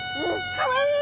かわいい！